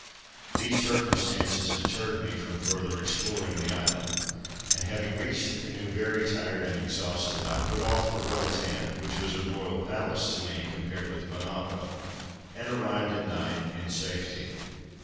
These circumstances deterred me from further exploring the island; and having reached the canoe very tired and exhausted, I put off for Roatan, which was a royal palace to me, compared with Bonacco, and arrived at night in safety.